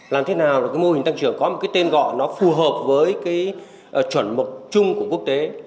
làm thế nào để cái mô hình tăng trưởng có một cái tên gọi nó phù hợp với cái chuẩn mực chung của quốc tế